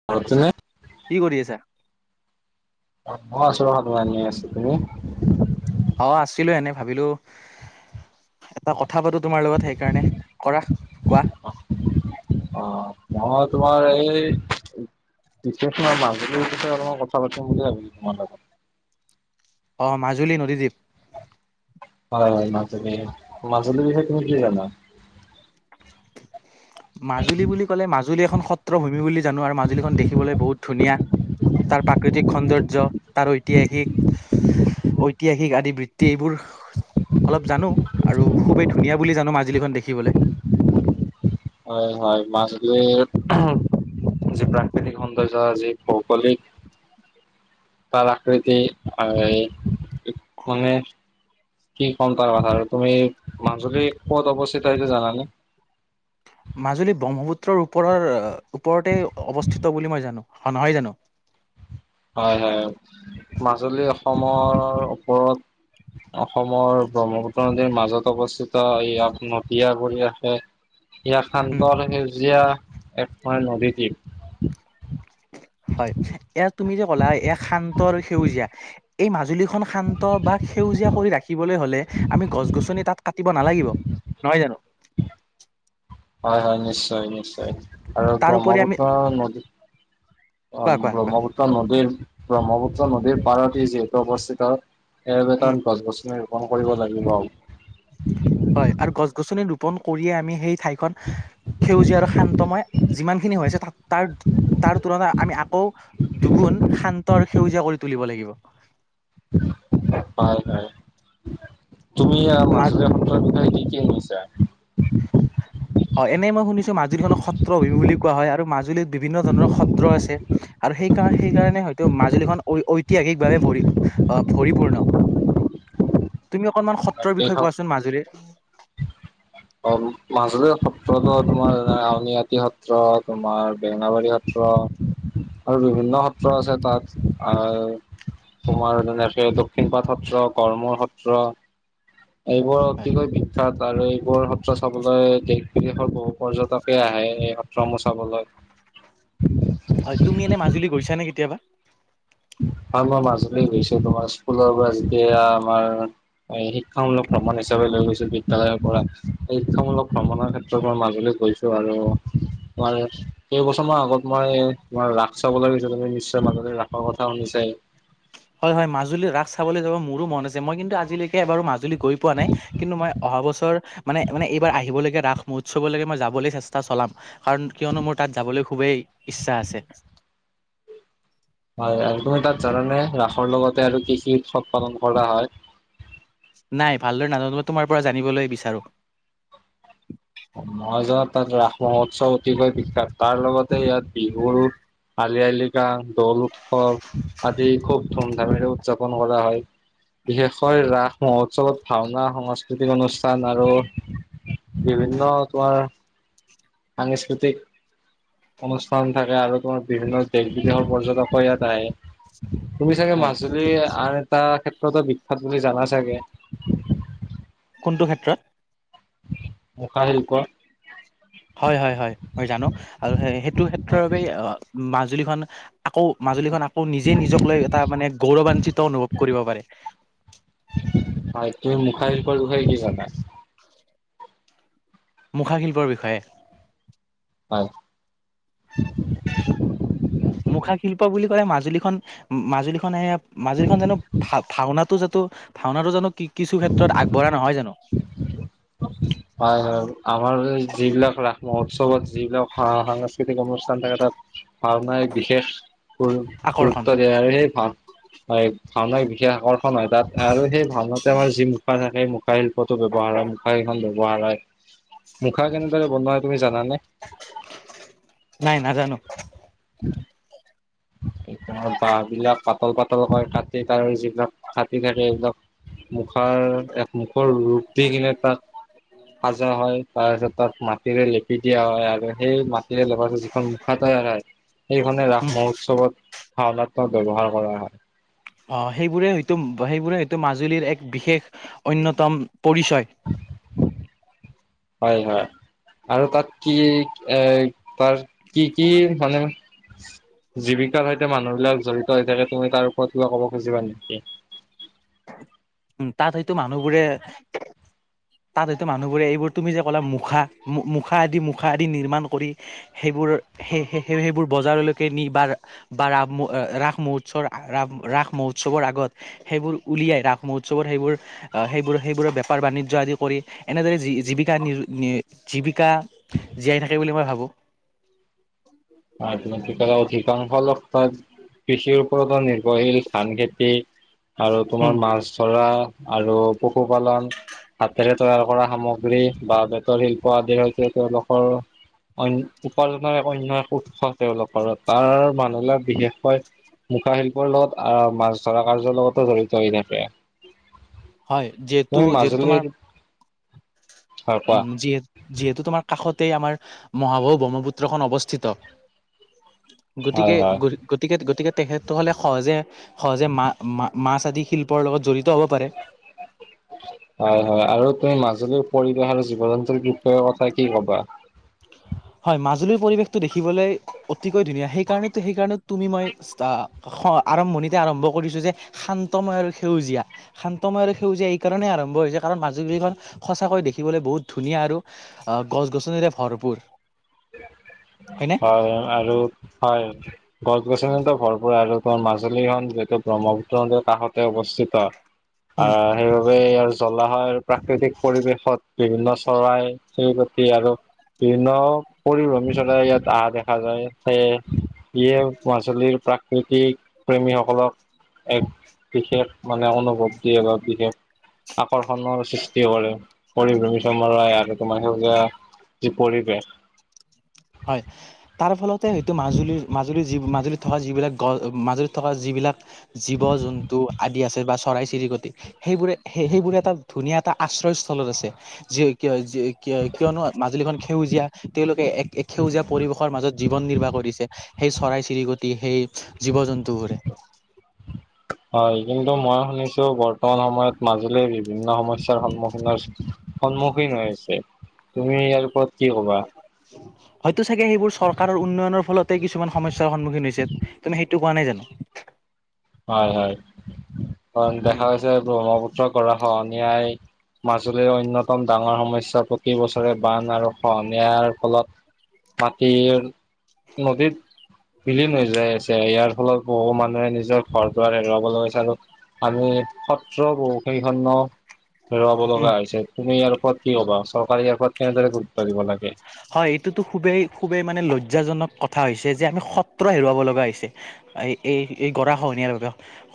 [inaudible] কি কৰি আছা? অ আছু ৰ'বা তোমাৰ এনে আছো, তুমি? অ আছিলো এনে ভাবিলো এটা কথা পাতো তোমাৰ লগত সেইকাৰণে কৰা কোৱা অ অ মই তোমাৰ এই বিশেষ মই মাজুলীৰ বিষয়ে অলপমান কথা পাতিম বুলি ভাবিলো তোমাৰ লগত। অ মাজুলী নদীদ্বীপ। হয় মাজুলী, মাজুলীৰ বিষয়ে তুমি কি জানা? মাজুলী বুলি ক'লে মাজুলী এখন সত্ৰ ভূমি বুলি জানো আৰু মাজুলীখন দেখিবলৈ বহুত ধুনীয়া। তাৰ প্ৰাকৃতিক সৌন্দৰ্য তাৰ ঐতিহাসিক ঐতিহাসিক আদি বৃত্তি এইবোৰ অলপ জানো আৰু খুবেই ধুনীয়া বুলি জানো মাজুলীখন দেখিবলৈ। হয় হয় মাজুলীৰ যি প্ৰাকৃতিক সৌন্দৰ্য যি ভৌগলিক তাৰ আকৃতি [unintelligible] কি ক'ম তাৰ কথা আৰু তুমি মাজুলীৰ ক'ত অৱস্থিত সেইটো জানানে? মাজুলী ব্ৰহ্মপুত্ৰৰ ওপৰৰ ওপৰতে অৱস্থিত বুলি মই জানো, হয় নহয় জানো? হয় হয় মাজুলী অসমৰ ওপৰত অসমৰ ব্ৰহ্মপুত্ৰ নদীৰ মাজত অৱস্থিত ইয়াক নদীয়া কৰি ৰাখে ইয়াক উম শান্তৰ সেউজীয়া এক মানে নদীদ্বীপ। হয়, এয়া তুমি যে ক'লা এ শান্তৰ সেউজীয়া এই মাজুলীক খন শান্ত বা সেউজীয়া কৰি ৰাখিবলৈ হ'লে আমি গছ-গছনি তাত কাট তিব নালাগিব, নহয় জানো? হয় হয় নিশ্চয় নিশ্চয়। আৰু তাৰপৰি আমি ব্ৰহ্মপুত্ৰ নদীত, অ কোৱা কোৱা কোৱা ব্ৰহ্ম নদীৰ ব্ৰহ্মপুত্ৰ নদীৰ পাৰতে যিহেতু অৱস্থিত উম [unintelligible] গছ-গছনিৰ ৰোপন কৰিব লাগিব। হয় আৰু গছ-গছনি ৰোপন কৰিয়ে আমি সেই ঠাইখন সেউজীয়া আৰু শান্তময় যিমান খিনি হৈছে তাৰ তাৰ তুলনাত আমি আকৌ দুগুণ শান ত আৰু সেউজীয়া কৰি তুলিব লাগিব। হয় হয় তুমি এই মা মাজুলী সত্ৰৰ বিষয়ে কি কি শুনিছা? অ এনেই মই শুনিছো মাজুলীখনক সত্ৰ ভূমি বুলি কোৱা হয় আৰু মাজুলীত বিভিন্ন ধৰণৰ সত্ৰ আছে। আৰু সেইকাৰ সেইকাৰণে হয়তো মাজুলীখন ঐ-ঐতিহাসিকভাৱে ভৰি অ ভৰিপূৰ্ণ। তুমি অকনমান সত্ৰৰ বিষয়ে এইখন কোৱাচোন মাজুলীৰ। [inaudible] অ মাজুলী সত্ৰতো তোমাৰ আউনীআটী সত্ৰ, তোমাৰ বেঙেনাবাৰী সত সত্ৰ আৰু বিভিন্ন সত্ৰ আছে তাত। আৰু তোমাৰ যেনেকে দক্ষিণ পাট সত্ৰ, গমূৰ সত্ৰ, এইবোৰ হয় অতিকৈ বিখ্যাত আৰু এইবোৰ সত্ৰ চাবলৈ বিদেশৰ বহু পৰ্যটকে আহে এই সত্ৰ সমূহ চাবলৈ। হয় তুমি এনে মাজুলী গৈছানে কেতিয়াবা? হয় মই মাজুলী গৈছো তোমাৰ স্কুলৰ পৰা যেতিয়া আমাৰ হয় শিক্ষামূলক ভ্ৰমণ হিচাপে লৈ গৈছো বিদ্যালয়ৰ পৰা, শিক্ষামূলক ভ্ৰমণৰ ক্ষেত্ৰত মই মাজুলী গৈ ত আৰু তোমাৰ কেইবছৰমান আগত মই তোমাৰ ৰাস চাব লাগৈছ তুমি নিশ্চয় মাজতে ৰাস খৰ কথা শুনিছায়ে। হয় হয় মাজুলীৰ ৰাস চাবলৈ যাব মোৰো মন আছে মই কিন্তু আজিলৈকে বাৰু মাজুলী গৈ পোৱা নাই। কিন্তু মই অহা বছৰ মানে মানে এইবাৰ আহিবলৈগে ৰাস মহোৎসৱলৈকে মই যাবলৈ চেষ্টা চলাম। কাৰণ কিয়নো মোৰ তাত যাবলৈ খুবেই ইচ্ছা আছে। হয় আৰু তুমি তাত জানানে ৰাসৰ লগতে আৰু কৃষি উৎসৱ পালন কৰা হয়? নাই ভালদৰে নাজানো মই তোমাৰ পৰা জানিবলৈ বিচাৰো। মই জনাত তাত ৰাস মহোৎসৱ অতিকৈ বিখ্যাত তাৰ লগতে ইয়াত বিহুৰো আলি আই লৃগাং, দৌল উৎসৱ আদি খুব ধুম ধামেৰে উদযাপন কৰা হয়। বিশেষকৈ ৰাস মহোৎসৱত ভাওনা সংস্কৃতিক অনুষ্ঠান আৰু বিভিন্ন তোমাৰ সাংস্কৃতিক অনুষ্ঠান থাকে আৰু তোমাৰ বিভিন্ন দেশ বিদেশৰ পৰ্যটকো ইয়াত আহে। তুমি চাগে হয় মাজুলী আন এটা ক্ষেত্ৰতো বিখ্যাত বুলি জানা চাগে। কোনটো ক্ষেত্ৰত? মুখা শিল্প। হয় হয় হয় মই জানো আৰু সেইটো ক্ষেত্ৰৰ বাবে মাজুলীখন আকৌ মাজুলীখন আকৌ নিজে নিজক লৈ এটা মানে গৌৰৱানঞ্চিত অনুভৱ কৰিব পাৰে। হয় তুমি মুখা শিল্পৰ বিষয়ে কি জানা? মুখাশিল্পৰ বিষয়ে? হয়। মুখা শিল্প বুলি ক'লে মাজুলীখন মাজুলীখনে মাজুলীখন জানো ভা ভাওনাটো যাটো ভাওনাটো জানো কিছু ক্ষেত্ৰত আগবঢ়া নহয় জানো? হয় হয়। আমাৰ যিবিলাক ৰাস মহোৎসৱত যিবিলাক সাংস্কৃতিক অনুষ্ঠান থাকে তাত ভাওনাই বিশেষ গ আকৰ্ষণ গুৰুত্ব দিয়ে আৰু সেই ভাও হয় ভাওনাৰ বিশেষ আকৰ্ষণ হয় তাত আৰু ভাওনাতে আমাৰ যি মুখা থাকে মুখা শিল্পটো ব্যৱহাৰ হয় এইখন ব্যৱহাৰ হয়। মুখা কেনেদৰে বনোৱা হয় তুমি জানানে? নাই নাজানো। বাহ বিলাক পাতল পাতল কৰে কাটি তাৰ যিবিলাক থাটি থাকে এইবিলাক মুখাৰ এক মুখৰ ৰূপ দি কিনে তাত সাজা হয় তাৰ পিছত তাক মাটিৰে লেপি দিয়া হয় আৰু সেই মাটিৰে লেপা এখন মুখ তৈয়াৰ হয় সেইখনে উম ৰাস মহোৎসৱত ভাৱনাখণত ব্যৱহাৰ কৰা হয়। অ সেইবোৰে হয়তো সেইবোৰে হয়তো মাজুলীৰ এক বিশেষ অন্যতম পৰিচয়। হয় হয়। আৰু তাত কি এ তাৰ কি কি মানে জীৱিকাৰ সৈতে মানুহ বিলাক জড়িত হৈ থাকে, তুমি তাৰ ওপৰত কিবা ক'ব খুজিবা নেকি? উম তাত হয়টো মানুহবোৰে তাত হয়তো মানুহবোৰে এইবোৰ তুমি যে ক'লা মুখা মু মুখা আদি মুখা আদি নিৰ্মাণ কৰি সেইবোৰ সেই সেই সেইবোৰ বজাৰলৈকে নি বাৰ বা ৰাম ৰাস মহোৎসৱৰ ৰা ৰাস মহোৎসৱৰ আগত সেইবোৰ উলিয়াই ৰাস মহোৎসৱৰ সেইবোৰ অহ সেইবোৰ সেইবোৰ বেপাৰ বাণিজ্য আদি। কৰি এনেদৰে জী জীৱিকা নিৰ নিৰ জীৱিকা জীয়াই থাকে বুলি মই ভাবোঁ। অ ত ম িকা অ ঠিকা খ লাগ তাত [unintelligible] কৃষিৰ ওপৰতো নিৰ্ভৰশীল ধান খেতি আৰু উম তোমাৰ মাছ ধৰা আৰু। পশুপালন হাতেৰে। তৈয়াৰ কৰা সামগ্ৰী বা বেতৰ শিল্প আদিৰ সৈতে তেওঁলোকৰ। অণ্যই উপাৰ্জনাৰ এক অন্য এক উৎস তেওঁলোকৰ তাৰ মানুহে বিশেষকৈ। মুখা শিল্পৰ লগত আহ মাছ ধৰা কাৰ্যৰ লগতো জড়িত হৈ থাকে। হয় যিহেতু তুমি যিহেতু তোমাৰ। মাজুলীৰ হয় কোৱা উম যিয়ে যিহেতু তোমাৰ কাষতে আমাৰ মহাবাহু ব্ৰহ্মপুত্ৰখন অৱস্থিত। হয় গতিকে, হয় গ। গতিকে, গতিকে, তেখেতসকলে সহজে সহজে মা মা মাছ আদি শিল্পৰ লগত জড়িত হ'ব পাৰে! [unintelligible] হয়! হয়! আৰু তুমি মাজুলীৰ পৰিৱেশ আৰু জীৱ জন্তুৰ বিষয় কথা কি কবা? হয়! মাজুলীৰ পৰিৱেশটো দেখিবলৈ অতিকৈ ধুনীয়া সেইকাৰণে তো সেইকাৰণে তুমি মই চা। হয় আৰম্ভণিতে আৰম্ভ কৰিছো যে শান্তময় আৰু সেউজীয়া? শান্তময় আৰু সেউজীয়া এই কাৰণেই আৰম্ভ হৈছে কাৰণ মাজুলী খন সঁচাকৈ দেখিবলৈ বহুত ধুনীয়া আৰু। অহ' গছ গছনিৰে ভৰপূৰ! হয়নে? হয় আৰু হয়! গছ গছনিতো ভৰপূৰ আৰু। খন‌ মাজুলীখন যিহেতু ব্ৰহ্মপুত্ৰ নদীৰ কাষতে অৱস্থিত! উম আহ'। সেইবাবে আৰু জলাশয়ৰ আৰু প্ৰাকৃতিক পৰিৱেশত বিভিন্ন চৰাই চিৰিকটি আৰু। বিভিন্ন পৰিভ্ৰমী। চৰাই ইয়াত আহা দেখা যায়। সেয়ে যিয়ে আঞ্চলিক প্ৰা। কৃতিক প্ৰেমিক সকলক। এক বিশেষ মানে অনুভৱ দিয়ে বা বিশেষ। আকৰ্ষণৰ সৃষ্টি কৰে। পৰিভ্ৰমী চৰাই [unintelligible] হয়! তাৰ ফলতে হয়তো মাজুলীৰ মাজুলীৰ যি মাজুলী। থকা যিবিলাক গ মাজুলীত থকা যিবিলাক জীৱ জন্তু আদি আছে বা‌। চৰাই চিৰিকটি সেইবোৰে সে সেইবোৰে এটা ধুনীয়া এটা আশ্ৰয়স্থলত আছে যি কি হয়! কি কিয় কিয়নো মাজুলীখন সেউজীয়া তেওঁলোকে এক। এক সেউজীয়া পৰিৱেশৰ মাজত জীৱন নিৰ্বাহ কৰিছে সেই চৰাই চিৰিকটি সেই জীৱ জন্তুবোৰে। হয়! কিন্তু মই শুনিছো বৰ্তমান সময়ত মাজুলী বি। ভিন্ন সমস্যাৰ সন্মুখীনৰ সন্মুখীন হৈ আছে! তুমি ইয়াৰ ওপৰত কি কবা? [unintelligible] হয়তো চাগে সেইবোৰ চৰকাৰৰ উন্নয়নৰ ফলতে কিছুমান সমস্যাৰ সন্মুখীন হৈছে তুমি সেইটো কোৱা নাই জানো। হয়‌‌ হয়। হয় উম দেখা পাই চাই ‌ ব্ৰহ্মপুত্ৰ গৰাখহনীয়াই। মাজুলীৰ অন্যতম ডাঙৰ সমস্যা প্ৰতি বছৰে বান আৰু। খহনীয়াৰ ‌ফলত‌ মাটিৰ নদীত। বিলীন হৈ যাই আছে। ইয়াৰ ফলত বহু মানুহে নিজৰ। ঘৰ‌ দুৱাৰ‌ হেৰুৱাব লগা হৈছে আৰু পানী সত্ৰ বহু কেইখন ‌ন। হেৰুৱাব উম লগা হৈছে? তুমি ইয়াৰ ওপৰত কি কবা চৰকাৰে ইয়াৰ ওপৰত কেনেদৰে গুৰুত্ব দিব লাগে! হয় এইটো তো খুবেই খুবেই মানে লজ্জাজনক কথা হৈছে যে আমি সত্ৰ হেৰুৱাব লগা হৈছে? এই এই এই গৰাখহনীয়া বাবে।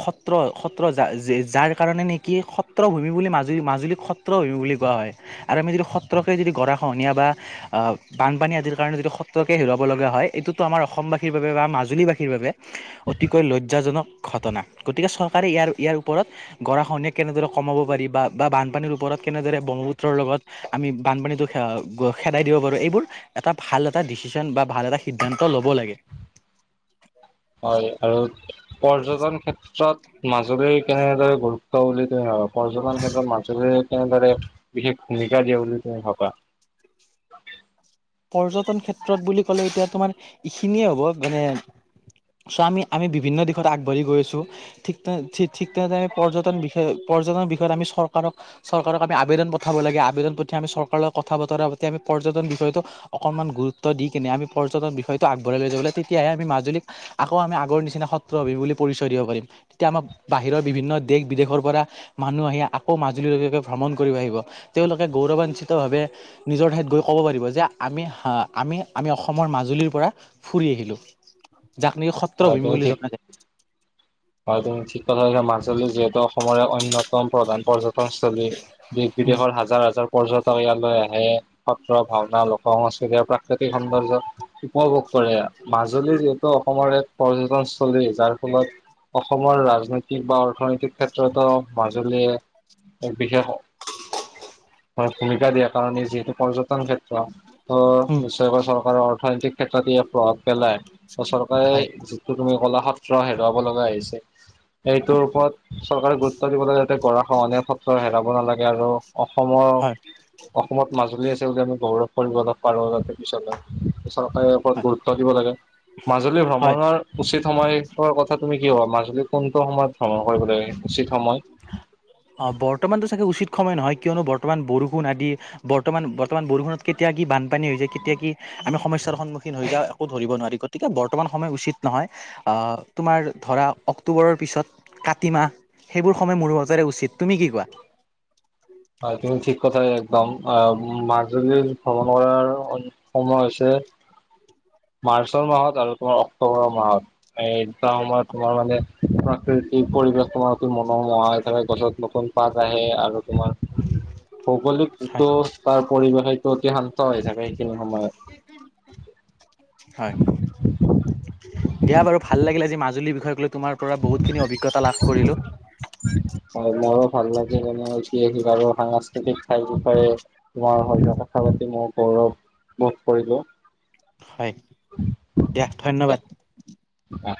সত্ৰ সত্ৰ যা যাৰ কাৰণে নেকি সত্ৰ ভূমি বুলি মাজুলী মাজুলীক সত্ৰ সত্ৰ ভূমি বুলি কোৱা হয়। আৰু আমি যদি সত্ৰকে যদি গৰাখহনীয়া বা আহ' বানপানী আদিৰ কাৰণে যিটো সত্ৰকে হেৰুৱাব লগা হয়। এইটোতো আমাৰ অসমবাসীৰ বাবে বা মাজুলীবাসী বাবে অতিকৈ লজ্জাজনক ঘটনা। গতিকে চৰকাৰে ইয়াৰ ইয়াৰ ওপৰত গৰাখহনীয়ে কেনেদৰে কমাব পাৰি বা বানপানীৰ ওপৰত কেনেদৰে ব্ৰহ্মপুত্ৰৰ লগত [inaudible] খেদাই দিব পাৰোঁ এইবোৰ এটা ভাল এটা ডিচিছন বা ভাল এটা সিদ্ধান্ত ল'ব লাগে। হয় আৰু পৰ্যটন ক্ষেত্ৰত মাজুলী কেনেদৰে গুৰুত্ব বুলি ধৰা পৰ্যটন ক্ষেত্ৰত মাজুলীৰ কেনেদৰে বিশেষ ভূমিকা দিয়া বুলি তুমি ভাবা? পৰ্যটন ক্ষেত্ৰত বুলি ক'লে এতিয়া তোমাৰ এইখিনিয়ে হ'ব মানে চোৱা আমি আমি বিভিন্ন দিশত আগবাঢ়ি গৈ আছোঁ। ঠিক তেনে ঠিক তেনেদৰে আমি পৰ্যটন বিষয় পৰ্যটনৰ বিষয়ে আমি চৰকাৰক চৰকাৰক আমি আবেদন পঠিয়াব লাগে। আবেদন পঠিয়াই আমি চৰকাৰৰ কথা বতৰা পাতি আমি পৰ্যটন বিষয়টো অকণমান গুৰুত্ব দি কেনে আমি পৰ্যটন বিষয়টো আগবঢ়াই লৈ য লাগে, তেতিয়াহে আমি মাজুলীক আকৌ আমি আগৰ নিচিনা সত্ৰ অবিভূমি বুলি আমি পৰিচয় দিব পাৰিম। তেতিয়া আমাৰ বাহিৰৰ বিভিন্ন দেশ বিদেশৰ পৰা মানুহ আহি আকৌ মাজুলী লৈকে ভ্ৰমণ কৰিব আহিব। তেওঁলোকে গৌৰৱাঞ্চিত ভাৱে নিজৰ ঠাইত গৈ ক'ব পাৰিব। যে আমি, আমি অসমৰ মাজুলীৰ পৰা ফুৰি আহিলো। জাকন নেকি সত্ৰ হয় অভিভূমি তুমি ঠিক বুলি জনা যায়। হয়, তুমি ঠিক কথা কৈছা মাজুলী যিহেতু অসমৰে অন্য তম প্ৰধান পৰ্যটনস্থলী দেশ উম, বিদেশৰ হাজাৰ হাজাৰ পৰ্যটন ইয়াৰলৈ আহে। সএ, ভাওনা, লোক সংস্কৃতি আৰু প্ৰাকৃতিক সৌন্দৰ্যত উপভোগ কৰে। মাজুলী যিহেতু অসমৰ এক পৰ্যটনস্থলী, যাৰ ফলত অসমৰ ৰাজনৈতিক বা অৰ্থনৈতিক ক্ষেত্ৰতো মাজুলীয়ে এক বিশেষ ভূমিকা দিয়া কাৰণে যিহেতু পৰ্যটন ক্ষেত্ৰ ত উম, নিশ্চয় চৰকাৰৰ অৰ্থনৈতিক ক্ষেত্ৰত ইয়াক প্ৰভাৱ পেলায়। আৰু চৰকাৰে হয়, তুমি ক'লা সত্ৰ হেৰুৱাব লগা হৈছে। এইটোৰ ওপৰত চৰকাৰে গুৰুত্ব দিবলৈ যাতে গাৰাখহনীযা ফলত সএ হেৰুৱাব নালাগে। আৰু অসমৰ হয়, অসমত মাজুলী আছে বুলি আমি গৌৰৱ কৰিবলৈ পাৰো। যাতে পিছলৈ পিচতে ওপৰত হয়, গুৰুত্ব দিব লাগে। মাজুলী হয়। ভ্ৰমণৰ উচিত সময়ৰ কথা তুমি কি ভাবা? আমি কোনটো সময়ত ভ্ৰমণ কৰিব লাগে উচিত সময়? অ, বৰ্তমানতো চাগে উচিত সময় নহয়। কিয়নো বৰ্তমান বৰষুণ আদি বৰ্তমান, বৰ্তমান বৰষুণত কেতিয়া কি বানপানী হৈ যায় কেতিয়া কি আমি সমস্যাৰ সন্মুখীন হৈ যাওঁ একো ধৰিব নোৱাৰি। গতিকে বৰ্তমান সময় উচিত নহয়। আহ তোমাৰ ধৰা অক্টোবৰৰ পিছত কাতি মাহ, সেইবোৰ সময় মোৰ মাজেৰে উচ উচিত তুমি কি কোৱা? হয়। তুমি ঠিক কথাই একদম। আহ মাজুলীৰ ভ্ৰমণ কৰাৰ সময় হৈছে মাৰ্চৰ মাহত আৰু তোমাৰ অক্টোবৰৰ মাহত। সেই দুটা সময়ত তোমাৰ মানে প্ৰাকৃতিক পৰিৱেশ তোমাৰ অতি মনোমোহা, সেইফালে গছত নতুন পাত আহে আৰু তোমাৰ হয়, ভৌগলিকতটো তাৰ পৰিৱেশটো অতি শান্ত হৈ থাকে সেইখিনি সময়ত। হয়। দিয়া বাৰু ভাল লাগিলে আজি মাজুলীৰ বিষয়ে ক লৈ তোমাৰ পৰা বহুতখিনি অভিজ্ঞতা লাভ কৰিলো। হয়, মোৰো ভাল লাগে যোন ঐতিহাসিক আৰু সাংস্কৃতিক ঠাইৰ বিষয়ে তোমাৰ সতে কথা পাতি মই গৌৰৱ বোধ কৰিলো। হয়, দিয়া ধন্যবাদ। অ।